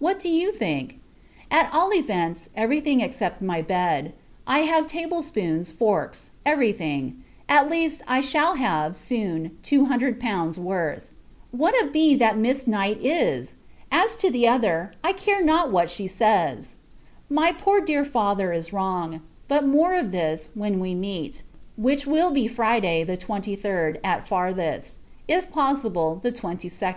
What do you think? At all events, every thing except my bed. I have table spoons, forks, every thing; at least, I shall have, soon, two hundred pounds worth. What a b that Miss Knight is! As to the other, I care not what she says. My poor dear father is wrong. But more of this, when we meet: which will be Friday, the 23d, at farthest; if possible, the 22d.